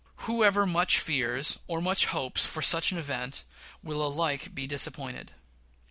Whoever much fears or much hopes for such an event will be alike disappointed.